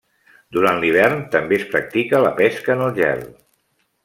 Durant l'hivern, també es practica la pesca en el gel.